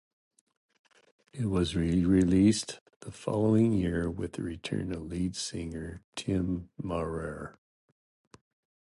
It was re-released the following year with the return of lead singer Tim Maurer.